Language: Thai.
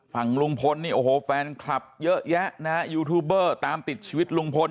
ฝั่งลุงพลนี่โอ้โหแฟนคลับเยอะแยะนะฮะยูทูบเบอร์ตามติดชีวิตลุงพล